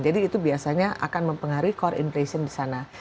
jadi itu biasanya akan mempengaruhi core inflation di sana